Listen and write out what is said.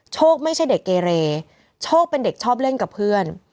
โชคไม่ใช่เด็กเกเรโชคเป็นเด็กชอบเล่นกับเพื่อน